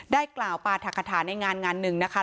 ได้กล่าวปราธกฐาในงานงานหนึ่งนะคะ